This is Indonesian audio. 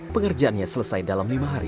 pengerjaannya selesai dalam lima hari